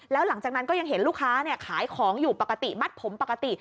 แล้วหลังจากนั้นก็ยังเห็นลูกค้าขายของอยู่ปกติมัดผมปกติ